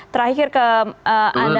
terakhir ke anda